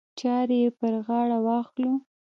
چارې یې پر غاړه واخلو.